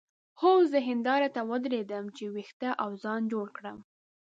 هو زه هندارې ته ودرېدم چې وېښته او ځان جوړ کړم.